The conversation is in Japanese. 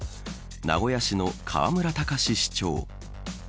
名古屋市の河村たかし市長。